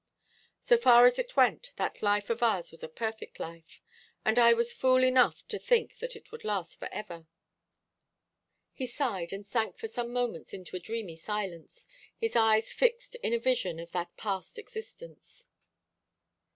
So far as it went, that life of ours was a perfect life; and I was fool enough to think that it would last for ever." He sighed, and sank for some moments into a dreamy silence, his eyes fixed in a vision of that past existence.